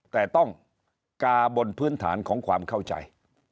แต่ต้องกาบนพื้นฐานของความเข้าใจ